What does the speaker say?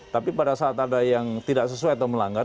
tapi pada saat ada yang tidak sesuai atau melanggar